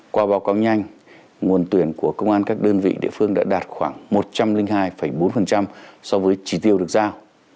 qua báo cáo nhanh nguồn tuyển của công an các đơn vị địa phương đã đạt khoảng một trăm linh hai bốn so với chỉ tiêu được giao